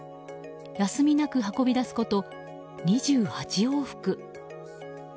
休みなく運び出すこと、２８往復。